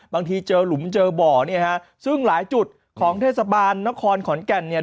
บางทีเจอหลุมเจอบ่อเนี่ยฮะซึ่งหลายจุดของเทศบาลนครขอนแก่นเนี่ย